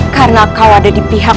karena kau ada di pihak